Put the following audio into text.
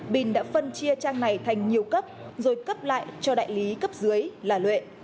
bin đã phân chia trang này thành nhiều cấp rồi cấp lại cho đại lý cấp dưới là luyện